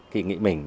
khi nghĩ mình